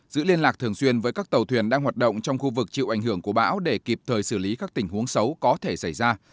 giữ liên lạc thường xuyên với các tàu thuyền đang hoạt động trong khu vực chịu ảnh hưởng của bão để kịp thời xử lý các tình huống xấu có thể xảy ra